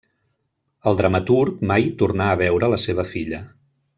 El dramaturg mai tornà a veure la seva filla.